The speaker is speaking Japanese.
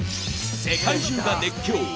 世界中が熱狂。